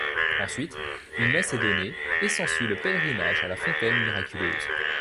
Ensuite une messe est donnée et s’ensuit le pèlerinage à la fontaine miraculeuse.